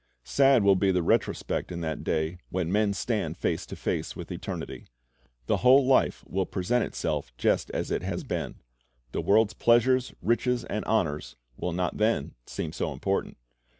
"^ Sad will be the retrospect in that day when men stand face to face with eternity. The whole life will present itself just as it has been. The world's pleasures, riches, and honors will not then seem so important.